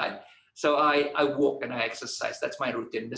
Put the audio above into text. jadi saya berjalan dan berlatih itu rutin saya